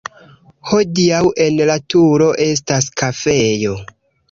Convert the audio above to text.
Hodiaŭ en la turo estas kafejo.